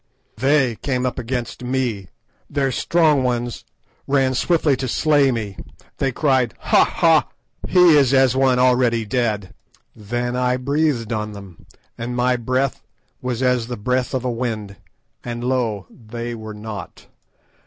"They came up against me; their strong ones ran swiftly to slay me; they cried, 'Ha! ha! he is as one already dead.' "Then breathed I on them, and my breath was as the breath of a wind, and lo! they were not.